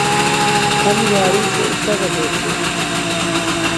ہم گاڑی سے اتر رہ تھے